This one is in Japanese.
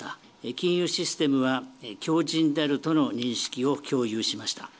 金融システムは、強じんであるとの認識を共有しました。